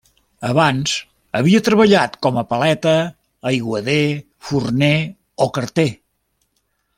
Abans havia treballat com a paleta, aiguader, forner o carter.